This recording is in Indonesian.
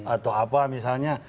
atau apa misalnya